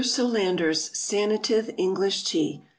SOLANDER's SANATIVE ENGLISH TEA.